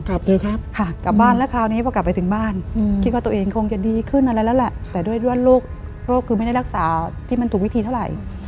สวัสดีครับค่ะกลับบ้านแล้วคราวนี้พอกลับไปถึงบ้านคิดว่าตัวเองคงจะดีขึ้นอะไรแล้วแหละแต่ด้วยโรคคือไม่ได้รักษาที่มันถูกวิธีเท่าไหร่